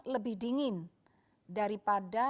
lebih dingin daripada